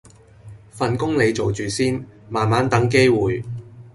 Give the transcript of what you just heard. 份工你做住先，慢慢等機會